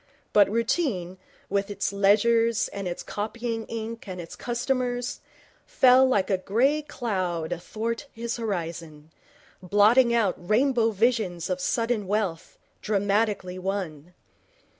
But routine, with its ledgers and its copying ink and its customers, fell like a grey cloud athwart his horizon, blotting out rainbow visions of sudden wealth, dramatically won.